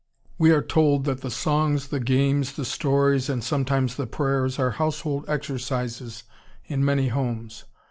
We are told that the songs, the games, the stories, and sometimes the prayers, are household exercises in many homes.